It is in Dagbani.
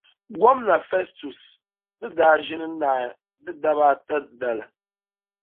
Gomna Fɛstus ni daa ʒini naai di daba ata dali.